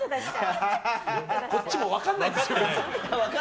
こっちも分からないんですよ。